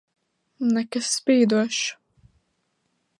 Nekas spīdošs.